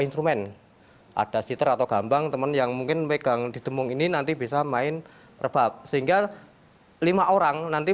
instrumen ada sitar atau gambang teman yang mungkin pegang di tembok ini nanti bisa main rebab sehingga